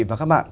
và các bạn